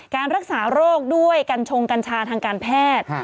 การรักษาโรคด้วยกัญชงกัญชาทางการแพทย์